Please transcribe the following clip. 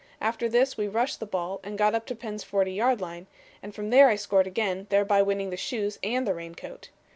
After this we rushed the ball and got up to Penn's 40 yard line, and from there I scored again, thereby winning the shoes and the raincoat.